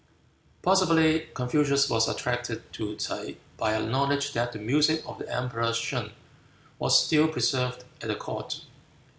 Possibly Confucius was attracted to T'se by a knowledge that the music of the emperor Shun was still preserved at the court.